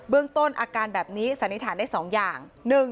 เรื่องต้นอาการแบบนี้สันนิษฐานได้๒อย่าง